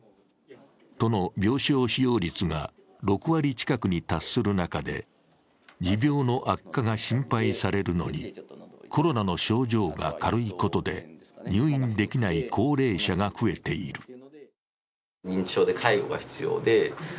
都の病床使用率が６割近くに達する中で持病の悪化が心配されるのに、コロナの症状が軽いことで入院できない高齢者が増えている。